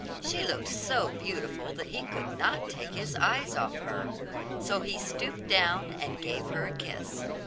She looked so beautiful that he could not take his eyes off her, so he stooped down and gave her a kiss.